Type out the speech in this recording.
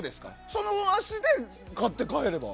その足で買って帰れば。